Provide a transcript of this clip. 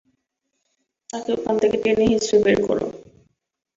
তাকে ওখান থেকে টেনে হিঁচড়ে বের করো।